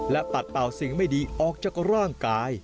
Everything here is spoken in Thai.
และปัดเป่าสิ่งไม่ดีออกจากร่างกาย